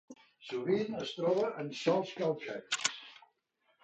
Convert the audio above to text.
Sovint es troba en sòls calcaris.